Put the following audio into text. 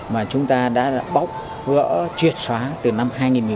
mà chúng ta đã bóc gỡ truyệt xóa từ năm hai nghìn một mươi một